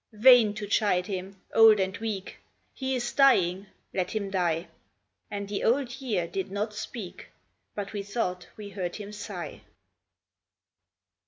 Vain to chide him ; old and weak, He is dying ; let him die." And the Old Year did not speak, But we thought we heard him sigh.